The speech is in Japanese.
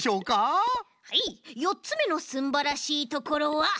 はいよっつめのすんばらしいところはこちらです。